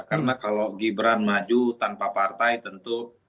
karena kalau gibran maju tanpa partai tentu